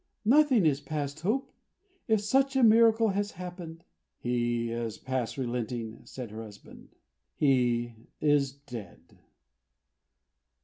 Nothing is past hope, if such a miracle has happened." "He is past relenting," said her husband. "He is dead."